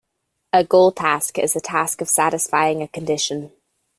A goal task is a task of satisfying a condition.